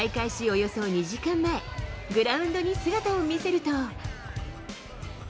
およそ２時間前、グラウンドに姿を見せると。